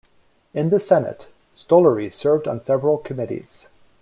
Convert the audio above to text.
In the Senate, Stollery served on several committees.